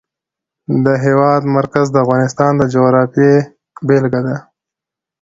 د هېواد مرکز د افغانستان د جغرافیې بېلګه ده.